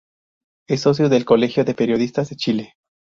Es socio del Colegio de Periodistas de Chile.